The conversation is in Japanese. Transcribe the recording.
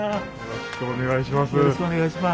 よろしくお願いします。